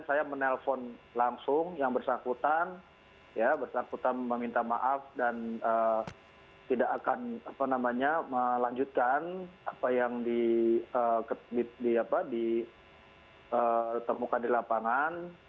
saya menelpon langsung yang bersangkutan meminta maaf dan tidak akan melanjutkan apa yang ditemukan di lapangan